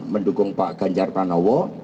mendukung pak ganjar pranowo